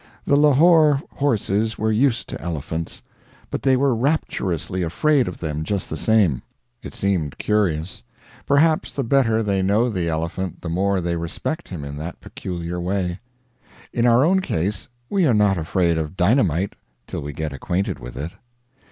The Lahore horses were used to elephants, but they were rapturously afraid of them just the same. It seemed curious. Perhaps the better they know the elephant the more they respect him in that peculiar way. In our own case we are not afraid of dynamite till we get acquainted with it.